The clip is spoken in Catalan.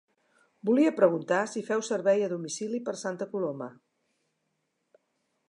Volia preguntar si feu servei a domicili per Santa Coloma?